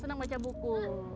seneng baca buku